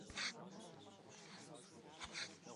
Sıt pş'enur vuzdek'ue lhenıkhuem şşeç khıtêphame?